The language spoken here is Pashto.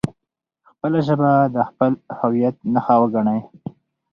خپله ژبه د خپل هویت نښه وګڼئ.